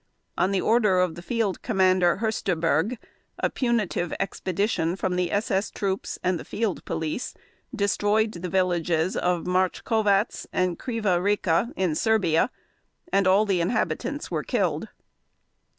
On the order of the Field Commander Hoersterberg a punitive expedition from the SS troops and the field police destroyed the villages of Machkovats, and Kriva Reka in Serbia and all the inhabitants were killed.